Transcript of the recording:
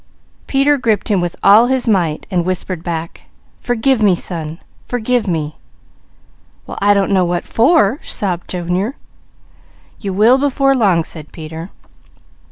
Peter gripped him with all his might and whispered back: "Forgive me son! Forgive me!" "Well I don't know what for?" sobbed Junior. "You will before long," said Peter.